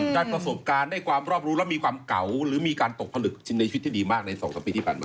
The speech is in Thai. ได้ประสบการณ์ได้ความรอบรู้และมีความเก่าหรือมีการตกผลึกชินในชีวิตที่ดีมากใน๒๓ปีที่ผ่านมา